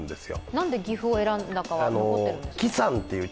何で岐阜を選んだか、残っているんですか。